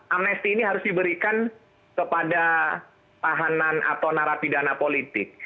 amnesti ini harus diberikan kepada tahanan atau narapidana politik